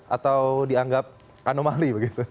atau dianggap anomali begitu